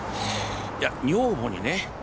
いや女房にね